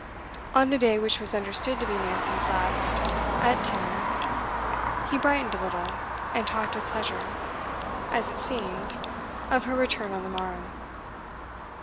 On the day which was understood to be Nancy's last at Teignmouth, he brightened a little, and talked with pleasure, as it seemed, of her return on the morrow.